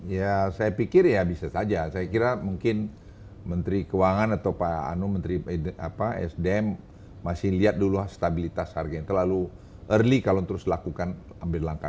ya saya pikir ya bisa saja saya kira mungkin menteri keuangan atau pak anu menteri sdm masih lihat dulu stabilitas harga yang terlalu early kalau terus lakukan ambil langkah